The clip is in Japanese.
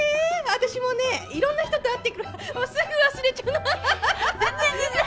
私もねいろんな人と会ってるからすぐ忘れちゃうの。